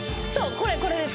これですこれです。